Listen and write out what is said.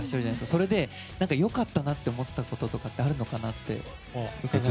それで良かったなと思ったこととかあるのかなと。